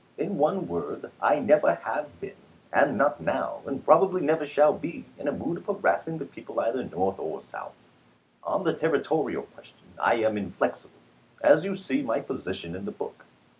In one word, I never have been, am not now, and probably never shall be in a mood of harassing the people either North or South. On the Territorial question I am inflexible, as you see my position in the book.